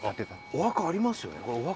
あお墓ありますよね。